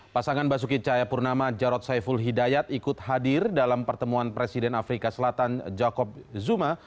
pasangan basuki cahayapurnama jarod saiful hidayat ikut hadir dalam pertemuan presiden afrika selatan jakob zuma